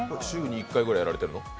週に１回ぐらいやられてるの？